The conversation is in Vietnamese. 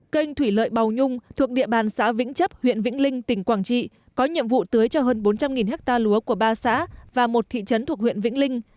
kênh thủy lợi bào nhung thuộc địa bàn xã vĩnh chấp huyện vĩnh linh tỉnh quảng trị có nhiệm vụ tưới cho hơn bốn trăm linh hectare lúa của ba xã và một thị trấn thuộc huyện vĩnh linh